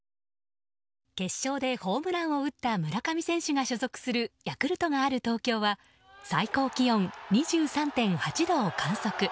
決勝でホームランを打った村上選手が所属するヤクルトがある東京は最高気温２３．８度を観測。